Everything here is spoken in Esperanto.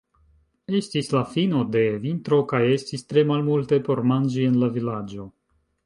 Estis la fino de vintro kaj estis tre malmulte por manĝi en la vilaĝo.